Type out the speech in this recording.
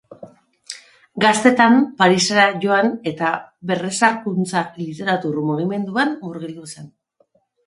Gaztetan Parisera joan eta Berrezarkuntza literatur mugimenduan murgildu zen.